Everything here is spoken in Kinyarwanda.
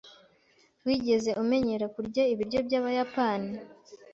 Wigeze umenyera kurya ibiryo byabayapani?